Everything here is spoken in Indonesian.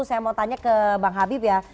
saya mau tanya ke bang habib ya